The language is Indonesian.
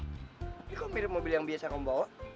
ini kok mirip mobil yang biasa kamu bawa